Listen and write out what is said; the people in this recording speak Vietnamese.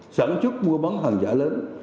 sản xuất mua bắn hàng giả lớn